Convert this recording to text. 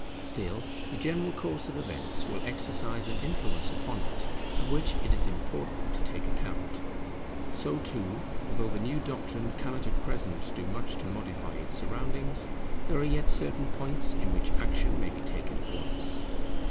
Still the general course of events will exercise an influence upon it, of which it is important to take account. So too, although the new doctrine cannot at present do much to modify its surroundings, there are yet certain points in which action may be taken at once.